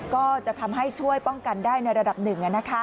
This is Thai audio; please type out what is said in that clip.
ก็จะทำให้ช่วยป้องกันได้ในระดับหนึ่ง